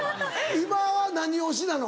今は何推しなの？